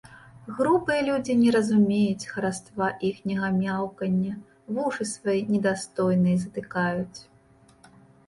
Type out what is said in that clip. Грубыя людзі не разумеюць хараства іхняга мяўкання, вушы свае недастойныя затыкаюць.